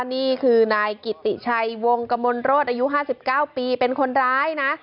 นี่คือนายกิติชัยวงกมลโรศอายุ๕๙ปีเป็นคนร้ายนะ